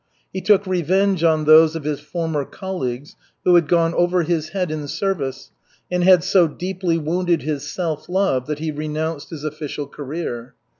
He took revenge on those of his former colleagues who had gone over his head in service and had so deeply wounded his self love that he renounced his official career.